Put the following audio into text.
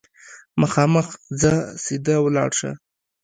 مخامخ ځه ، سیده ولاړ شه !